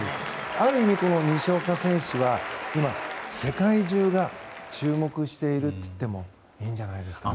ある意味、西岡選手は今、世界中が注目しているといってもいいんじゃないですかね。